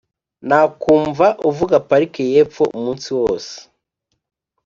nakwumva uvuga, "parike yepfo" umunsi wose.